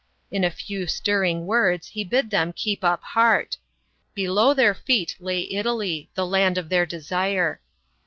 In a few stirring words, he bid them keep up heart. Below their feet lay Italy the land of their desire.